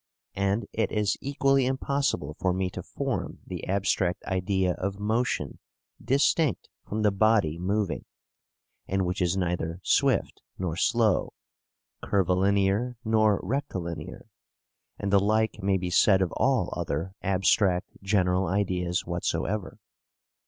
And it is equally impossible for me to form the abstract idea of motion distinct from the body moving, and which is neither swift nor slow, curvilinear nor rectilinear; and the like may be said of all other abstract general ideas whatsoever.